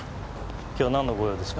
今日は何のご用ですか？